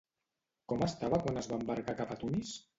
Com estava quan es va embarcar cap a Tunis?